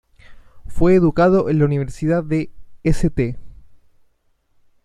Fue educado en la universidad de St.